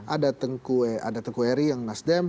ada tengku eri yang nasdem